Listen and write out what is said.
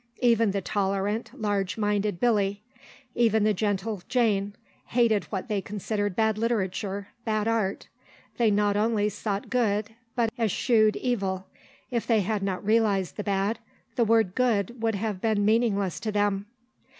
Even the tolerant, large minded Billy, even the gentle Jane, hated what they considered bad literature, bad art. They not only sought good, but eschewed evil; if they had not realised the bad, the word "good" would have been meaningless to them.